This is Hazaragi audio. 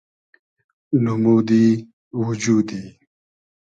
نومودی وجودی